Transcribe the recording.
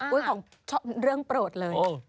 อุ๊ยของชอบเรื่องโปรดเลย